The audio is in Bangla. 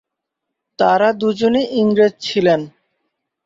তারা দুজনেই ইংরেজ ছিলেন।